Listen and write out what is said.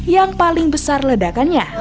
yang paling besar ledakannya